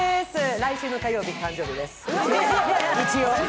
来週の火曜日、誕生日です、一応。